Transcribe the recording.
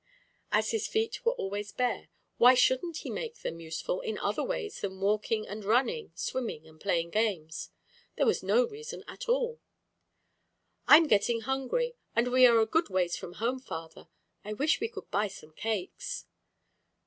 As his feet were always bare, why shouldn't he make them useful in other ways than walking and running, swimming and playing games? There was no reason at all. "I'm getting hungry, and we are a good ways from home, father. I wish we could buy some cakes."